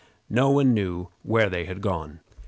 No one knew where they had gone.